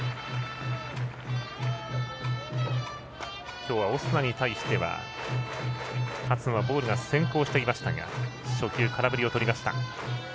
きょうはオスナに対しては勝野はボールが先行していましたが初球、空振りを取りました。